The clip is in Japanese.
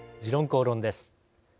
「時論公論」です。